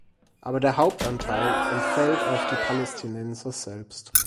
Aber der Hauptanteil entfällt auf die Palästinenser selbst.